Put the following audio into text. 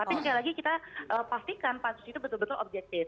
tapi sekali lagi kita pastikan pansus itu betul betul objektif